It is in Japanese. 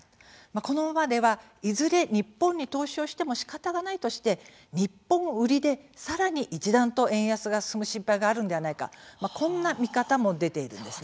このままでは、いずれ日本に投資をしてもしかたがないとして日本売りでさらに一段と円安が進む心配があるんではないかこんな見方も出ているんです。